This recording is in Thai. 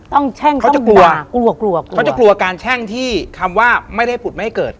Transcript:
ต้องแช่งต้องกลัวเขาจะกลัวการแช่งที่คำว่าไม่ได้ปุ่นไม่ให้เกิด